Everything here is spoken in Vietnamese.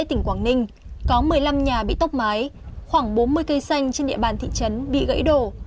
tỉnh quảng ninh có một mươi năm nhà bị tốc mái khoảng bốn mươi cây xanh trên địa bàn thị trấn bị gãy đổ